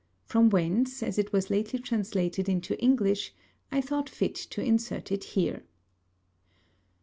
From whence, as it was lately translated into English, I thought fit to insert it here.